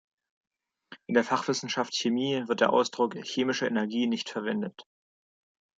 In der Fachwissenschaft Chemie wird der Ausdruck „chemische Energie“ nicht verwendet.